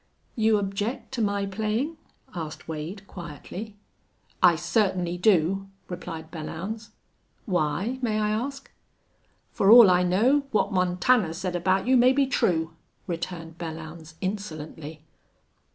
"You object to my playin'?" asked Wade, quietly. "I certainly do," replied Belllounds. "Why, may I ask?" "For all I know, what Montana said about you may be true," returned Belllounds, insolently.